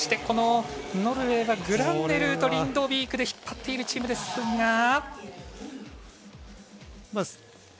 このノルウェーがグランネルーとリンドビークで引っ張っているチームですが。